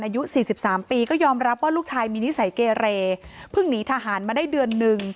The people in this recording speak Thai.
อายุสี่สิบสามปีก็ยอมรับว่าลูกชายมีนิสัยเกเรเพิ่งหนีทหารมาได้เดือนหนึ่ง